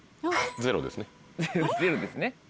ゼロですね。